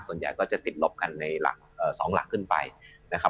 ส่วนใหญ่ก็จะติดลบกันในหลัก๒หลักขึ้นไปนะครับ